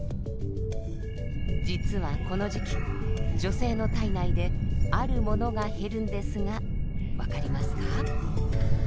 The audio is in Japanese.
実はこの時期女性の体内であるものが減るんですが分かりますか？